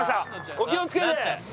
お気を付けて！